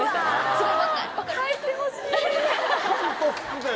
すごい。